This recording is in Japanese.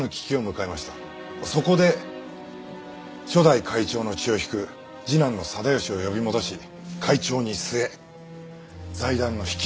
そこで初代会長の血を引く次男の定良を呼び戻し会長に据え財団の引き締めを図った。